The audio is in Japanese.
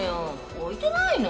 置いてないの？